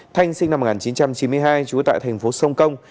thanh sinh năm một nghìn chín trăm chín mươi hai trú tại thành phố sông công